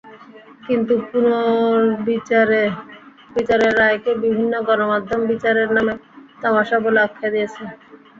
কিন্তু পুনর্বিচারের রায়কে বিভিন্ন গণমাধ্যম বিচারের নামে তামাশা বলে আখ্যা দিয়েছে।